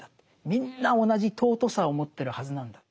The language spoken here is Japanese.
みんな同じ尊さを持ってるはずなんだと。